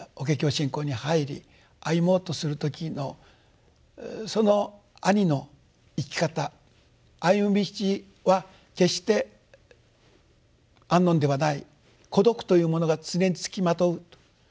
信仰に入り歩もうとする時のその兄の生き方歩む道は決して安穏ではない孤独というものが常に付きまとうと。